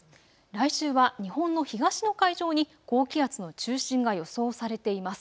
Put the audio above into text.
来週は日本の東の海上に高気圧の中心が予想されています。